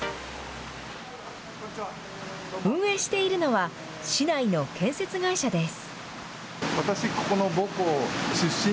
運営しているのは、市内の建設会社です。